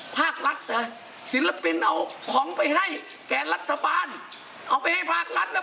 ภาครัฐนะศิลปินเอาของไปให้แก่รัฐบาลเอาไปให้ภาครัฐแล้ว